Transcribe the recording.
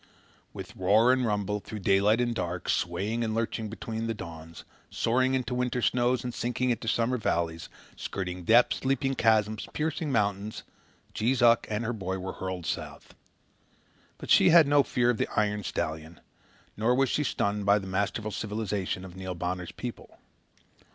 With roar and rumble, through daylight and dark, swaying and lurching between the dawns, soaring into the winter snows and sinking to summer valleys, skirting depths, leaping chasms, piercing mountains, Jees Uck and her boy were hurled south. But she had no fear of the iron stallion; nor was she stunned by this masterful civilization of Neil Bonner's people.